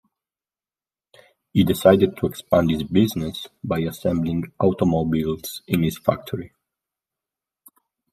He decided to expand his business by assembling automobiles in his factory.